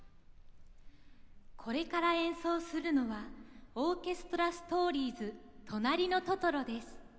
これから演奏するのはオーケストラストーリーズ「となりのトトロ」です。